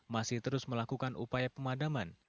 masih terus melakukan upaya pemadaman